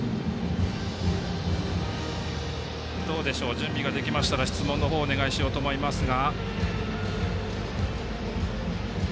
準備ができましたら質問お願いしようと思いますが。